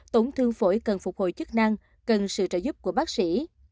tổn thương phổi cần phục hồi chức năng cần sự trợ giúp của bác sĩ